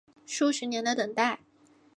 数十年的等待